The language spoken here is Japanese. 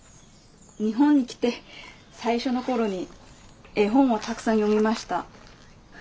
日本に来て最初の頃に絵本をたくさん読みました。